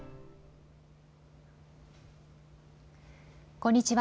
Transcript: こんにちは。